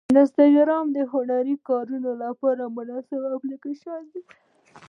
انسټاګرام د هنري کارونو لپاره مناسب اپلیکیشن دی.